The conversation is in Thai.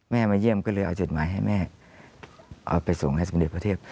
มาเยี่ยมก็เลยเอาจดหมายให้แม่เอาไปส่งให้สมเด็จพระเทพ